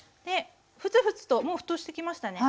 ふつふつともう沸騰してきましたね。